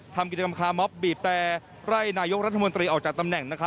ทำกิจกรรมคามอบบีบแต่ไล่นายกรัฐมนตรีออกจากตำแหน่ง